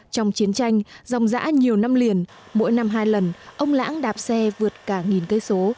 trong chiến tranh dòng giã nhiều năm liền mỗi năm hai lần ông lãng đạp xe vượt cả nghìn cây số